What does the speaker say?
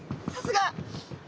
さすが！